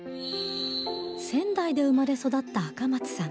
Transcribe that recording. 仙台で生まれ育った赤松さん。